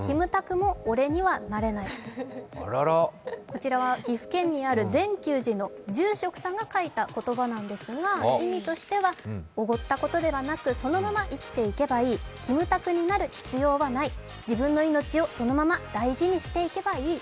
こちらは岐阜県にある善休寺の住職さんが書いた言葉なんですが、意味としてはおごったことではなく、そのまま生きていけばいいキムタクになる必要はないそのまま生きていけばいい